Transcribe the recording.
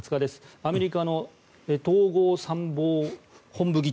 アメリカの統合参謀本部議長